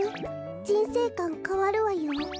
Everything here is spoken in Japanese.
じんせいかんかわるわよ。